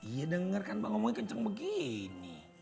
iya denger kan pak ngomongnya kenceng begini